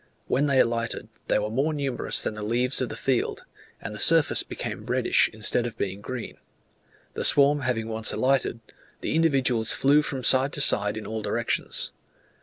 When they alighted, they were more numerous than the leaves in the field, and the surface became reddish instead of being green: the swarm having once alighted, the individuals flew from side to side in all directions.